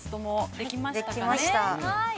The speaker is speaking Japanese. ◆できました。